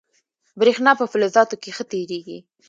برېښنا په فلزاتو کې ښه تېرېږي.